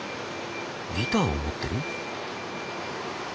ギターを持ってる？